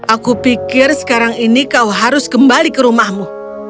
aku pikir sekarang ini kau harus kembali ke rumahmu